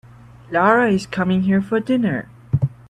Lara is coming here for dinner.